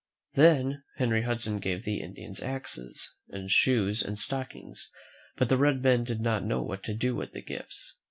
Then Henry Hudson gave the Indians axes and shoes and stockings, but the red men did not know what to do with the gifts.